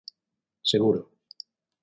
Seguro.